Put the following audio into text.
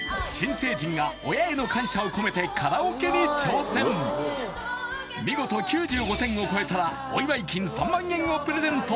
親への感謝を込めて見事９５点を超えたらお祝い金３万円をプレゼント